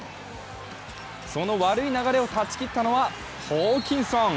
その悪い流れを断ち切ったのはホーキンソン。